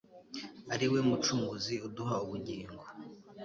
ariwe mucunguzi uduha ubugingo